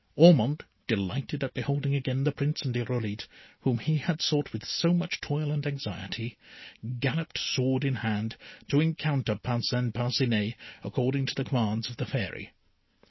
Ormond, delighted at beholding again the Prince and Irolite, whom he had sought with so much toil and anxiety, galloped, sword in hand, to encounter Parcin Parcinet, according to the commands of the Fairy.